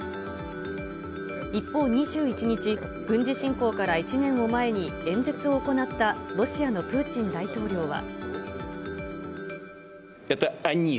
一方、２１日、軍事侵攻から１年を前に演説を行ったロシアのプーチン大統領は。